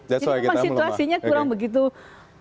jadi memang situasinya kurang begitu pas gitu ya